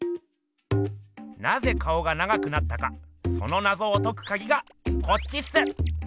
なぜ顔が長くなったかそのナゾを解くカギがこっちっす！